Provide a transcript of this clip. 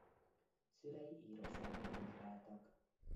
Szülei Írországból emigráltak.